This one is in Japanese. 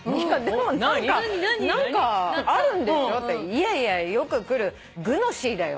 「いやいやよく来るグノシーだよ」